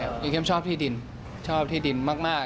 อย่างเช่นชอบที่ดินชอบที่ดินมาก